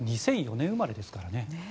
２００４年生まれですからね。